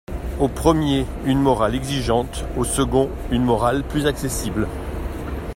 Aux premiers, une morale exigeante; aux seconds, une morale plus accessible.